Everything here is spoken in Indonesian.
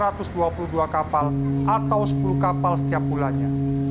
ini adalah satu empat ratus dua puluh dua kapal atau sepuluh kapal setiap bulannya